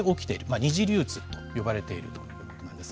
二次流通と呼ばれてということなんですが。